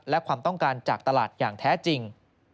และความต้องการจากตลาดอย่างแท้จริง